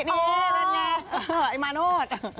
นี่นั่นไงไอ้มาโนธ